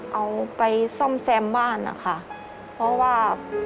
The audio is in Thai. เอาไปซ่อมแซมบ้านนะคะเพราะว่า